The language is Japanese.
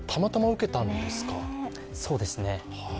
そうですね。